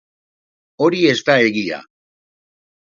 Hori ez da egia.